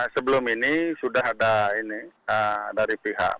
tetapi sebelum ini sudah ada ini dari pihak pasukan